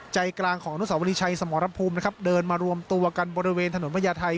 ใจกลางของอนุสาวรีชัยสมรภูมินะครับเดินมารวมตัวกันบริเวณถนนพญาไทย